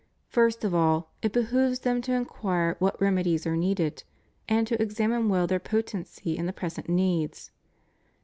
First of all, it behooves them to inquire what remedies are needed, and to examine well their potency in the present needs.